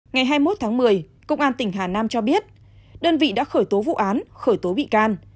ngày hai mươi một tháng một mươi công an tỉnh hà nam cho biết đơn vị đã khởi tố vụ án khởi tố bị can